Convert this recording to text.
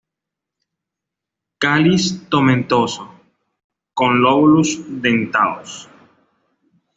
Cáliz tomentoso, con lóbulos dentados.